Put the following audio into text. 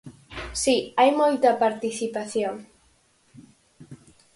Si, hai moita participación.